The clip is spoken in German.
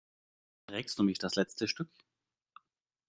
Trägst du mich das letzte Stück?